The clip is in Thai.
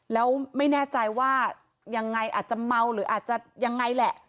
แล้วไม่แน่ใจว่ายังไงอาจจะเมาหรืออาจจะยังไงแหละ